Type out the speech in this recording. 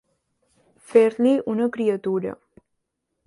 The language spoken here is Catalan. Fer-li una criatura.